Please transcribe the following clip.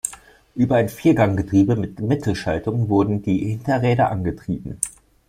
Über ein Vierganggetriebe mit Mittelschaltung wurden die Hinterräder angetrieben.